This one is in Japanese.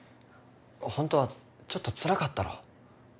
ホントはちょっとつらかったろ？